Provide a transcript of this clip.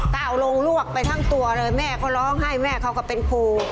ถ้าเอาลงลวกไปทั้งตัวเลยแม่เขาร้องไห้แม่เขาก็เป็นครู